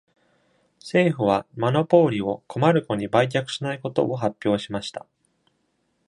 政府はマナポウリをコマルコに売却しないことを発表しました。